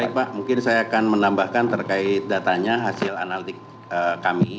baik pak mungkin saya akan menambahkan terkait datanya hasil analitik kami